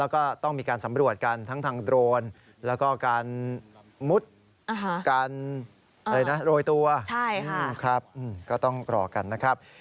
ก็ต้องรอกันนะครับ